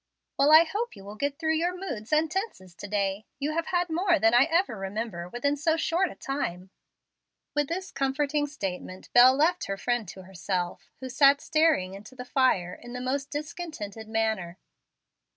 "Well, I hope you will get through your moods and tenses to day. You have had more than I ever remember within so short a time." With this comforting statement Bel left her friend to herself, who sat staring into the fire in the most discontented manner.